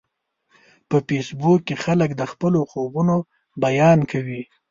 په فېسبوک کې خلک د خپلو خوبونو بیان کوي